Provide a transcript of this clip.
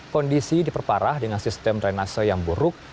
kondisi diperparah dengan sistem drainase yang buruk